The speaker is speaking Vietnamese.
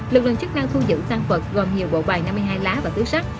lực lượng chức năng thu giữ tăng vật gồm nhiều bộ bài năm mươi hai lá và túi sách